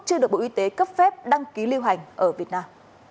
chưa được bộ y tế cấp phép đăng ký lưu hành ở việt nam